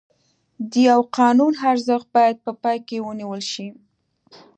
د یوه قانون ارزښت باید په پام کې ونیول شي.